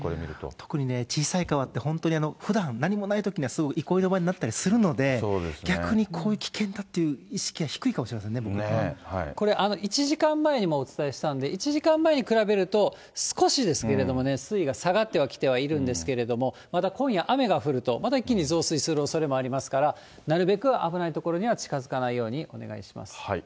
特に、小さい川って、本当にふだん、何もないときにはすごい憩いの場になったりするので、逆にこういう、危険だっていう意識が低いかもしれませんね、僕らも。これ、１時間前にもお伝えしたんで、１時間前に比べると、少しですけれどもね、水位が下がってはきてはいるんですけれども、まだ今夜、雨が降ると、また一気に増水するおそれもありますから、なるべく危ない所には近づかないようにお願いします。